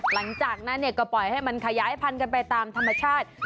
หลังจากนั้นก็ปล่อยให้มันขยายพันธุกันไปตามธรรมชาติ